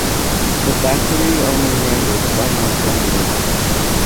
The factory only handled final assembly.